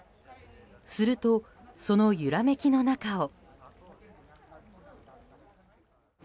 すると、その揺らめきの中を。